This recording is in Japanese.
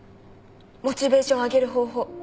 モチベーション上げる方法。